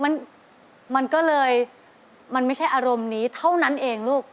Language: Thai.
มันมันก็เลยมันไม่ใช่อารมณ์นี้เท่านั้นเองลูก